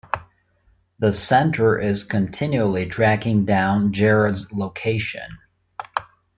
The Centre is continually tracking down Jarod's location.